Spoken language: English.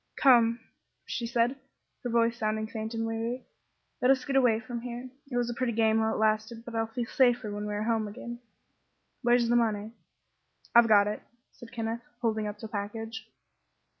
"Come," said she, her voice sounding faint and weary, "let us get away from here. It was a pretty game, while it lasted, but I'll feel safer when we are home again. Where's the money?" "I've got it," said Kenneth, holding up the package.